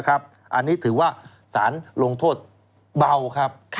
อันนี้ถือว่าสารลงโทษเบาครับ